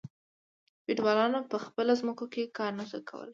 فیوډالانو په خپله په ځمکو کې کار نشو کولی.